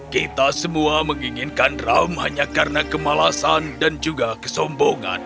kita semua menginginkan drum hanya karena kemalasan dan juga kesombongan